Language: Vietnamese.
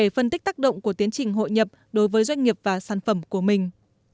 phát triển tác động của tiến trình hội nhập đối với doanh nghiệp và sản phẩm của mình